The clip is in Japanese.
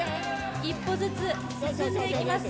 一歩ずつ進んでいきます。